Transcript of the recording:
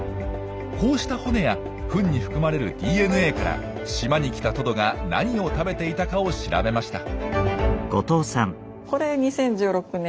こうした骨やフンに含まれるＤＮＡから島に来たトドが何を食べていたかを調べました。